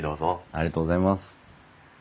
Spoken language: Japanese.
ありがとうございます。